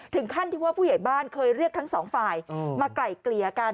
ถึงขั้นที่ว่าผู้ใหญ่บ้านเคยเรียกทั้งสองฝ่ายมาไกล่เกลี่ยกัน